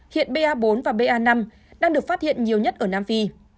hiện ba bốn và ba năm đang được phát hiện nhiều nhất ở nam phi